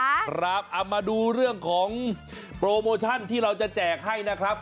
เอามาดูเรื่องของโปรโมชั่นที่เราจะแจกให้นะครับ